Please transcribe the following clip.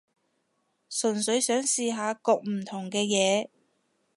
純粹想試下焗唔同嘅嘢